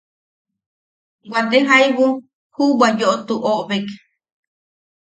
Waate jaibu juʼubwa yoʼotu oʼobek.